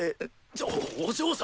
ちょお嬢様！